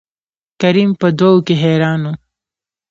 کريم په دو کې حيران وو.